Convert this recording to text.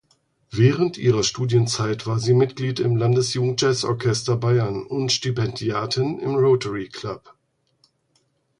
Während ihrer Studienzeit war sie Mitglied im Landesjugendjazzorchester Bayern und Stipendiatin im Rotary Club.